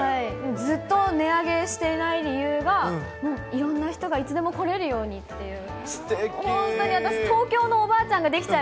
ずっと値上げしていない理由は、いろんな人がいつでも来れるようにっていう。